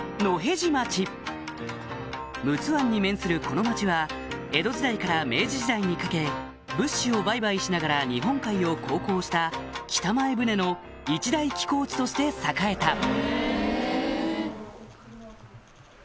陸奥湾に面するこの町は江戸時代から明治時代にかけ物資を売買しながら日本海を航行した北前船の一大寄港地として栄えた